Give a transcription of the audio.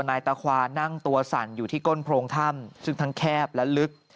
นายตะควานั่งตัวสั่นอยู่ที่ก้นโพรงถ้ำซึ่งทั้งแคบและลึก